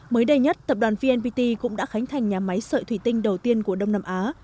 mới đây nhất tập đoàn vnpt cũng đã khánh thành nhà máy sợi thủy tinh đầu tiên của đông nam á